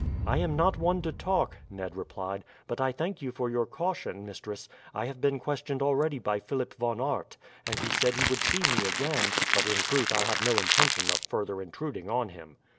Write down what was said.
"I am not one to talk," Ned replied; "but I thank you for your caution, mistress. I have been questioned already by Philip Von Aert, and he said he would see me again; but in truth I have no intention of further intruding on him."